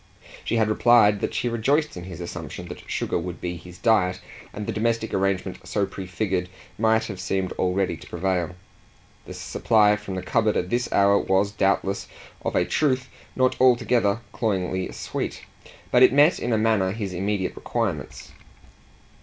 She had replied that she rejoiced in his assumption that sugar would be his diet, and the domestic arrangement so prefigured might have seemed already to prevail. The supply from the cupboard at this hour was doubtless, of a truth, not altogether cloyingly sweet; but it met in a manner his immediate requirements.